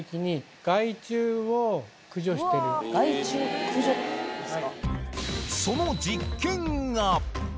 害虫駆除ですか？